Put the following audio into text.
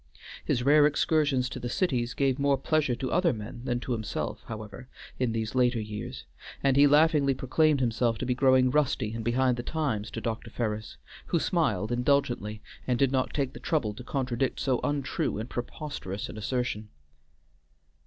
His rare excursions to the cities gave more pleasure to other men than to himself, however, in these later years, and he laughingly proclaimed himself to be growing rusty and behind the times to Dr. Ferris, who smiled indulgently, and did not take the trouble to contradict so untrue and preposterous an assertion.